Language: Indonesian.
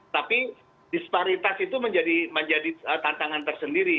tapi disparitas itu menjadi tantangan tersendiri